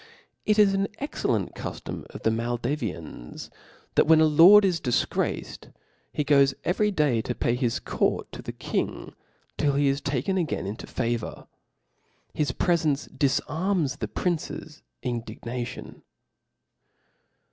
It is an excellent cuftom of the Maldavians ('), (o s«c that when' a lord is difgraced, he goes every day to p ^'* pay his court to the king tilt he is taken again into favor : his preftnce difarms the prince's indignation.